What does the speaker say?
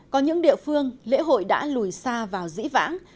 có những địa phương lễ hội đã lùi xa vào dĩ vãng